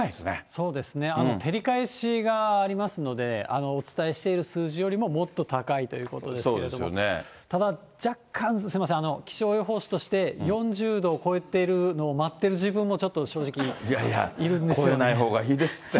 そうですね、照り返しがありますので、お伝えしている数字よりももっと高いということですけれども、ただ、若干、すみません、気象予報士として４０度を超えているのを待ってる自分も、ちょっ超えないほうがいいですって。